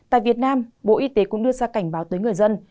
tại việt nam bộ y tế cũng đưa ra cảnh báo tới người dân